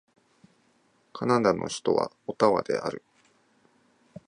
カナダの首都はオタワである